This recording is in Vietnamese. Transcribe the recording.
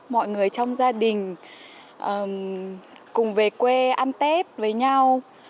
mọi người trong gia đình cùng về quê ăn tết với nhau